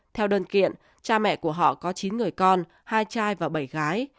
theo đơn kiện cha mẹ của họ có chín người con hai chai và bảy gái